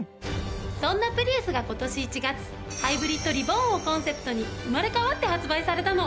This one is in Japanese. そんなプリウスが今年１月ハイブリッド・リボーンをコンセプトに生まれ変わって発売されたの。